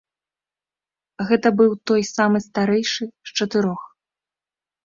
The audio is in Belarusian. Гэта быў той самы старэйшы з чатырох.